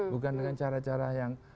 bukan dengan cara cara yang